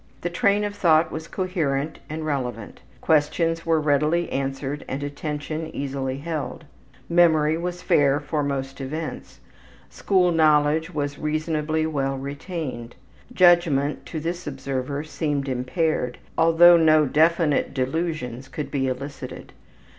The train of thought was coherent and relevant. Questions were readily answered and attention easily held. Memory was fair for most events. School knowledge was reasonably well retained. Judgment, to this observer, seemed impaired, although no definite delusions could be elicited.